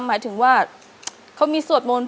หมายถึงว่าเขามีสวดมนต์